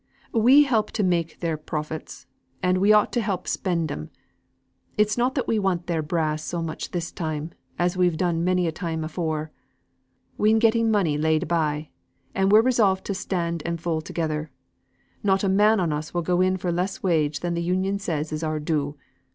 We help to make their profits, and we ought to help spend 'em. It's not that we want their brass so much this time, as we've done many a time afore. We'n getten money laid by; and we're resolved to stand and fall together; not a man on us will go in for less wage than th' Union says is our due.